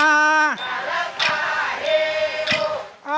สารภาเฮโรค